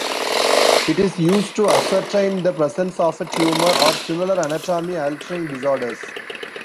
It is used to ascertain the presence of a tumour or similar anatomy-altering disorders.